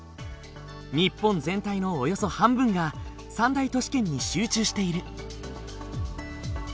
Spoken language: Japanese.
日本全体のおよそ半分が三大都市圏に集中している。